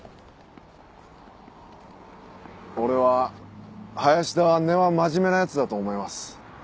俺は林田は根は真面目な奴だと思います。